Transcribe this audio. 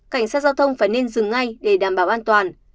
cảnh sát giao thông phải nên dừng ngay để đảm bảo an toàn